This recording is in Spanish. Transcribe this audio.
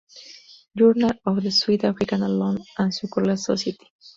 Journal of the South African Aloe and Succulent Society.